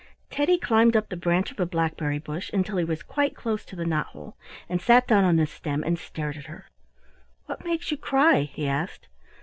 Teddy climbed up the branch of a blackberry bush until he was quite close to the knot hole, and sat down on the stem and stared at her. "What makes you cry?" he asked.